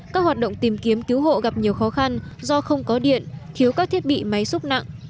các hoạt động tìm kiếm cứu hộ gặp nhiều khó khăn do không có điện thiếu các thiết bị máy xúc nặng